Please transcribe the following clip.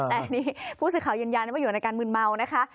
แต่นี่ผู้สื่อข่าวยรรยาณอยู่ในการมืนเมานะคะ